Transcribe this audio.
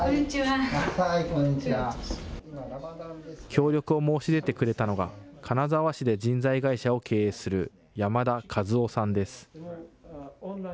協力を申し出てくれたのが、金沢市で人材会社を経営する山田和夫さんです。